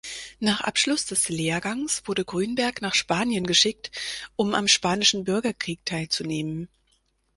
Nach Abschluss des Lehrgangs wurde Grünberg nach Spanien geschickt, um am Spanischen Bürgerkrieg teilzunehmen.